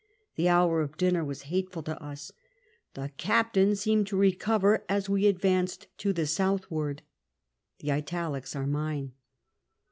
The hour of dinner was hateful to us. ... The captain seevned to recoter as we advanced to the southivard'* The italics are mine.